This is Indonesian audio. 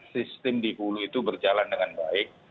sistem di hulu itu berjalan dengan baik